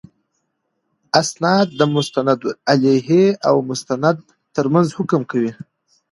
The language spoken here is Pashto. اِسناد د مسندالیه او مسند تر منځ حکم کوي.